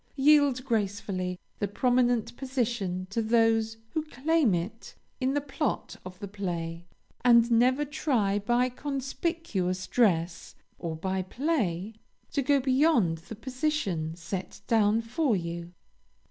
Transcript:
Yield gracefully the prominent position to those who claim it in the plot of the play, and never try by conspicuous dress or by play, to go beyond the position set down for you.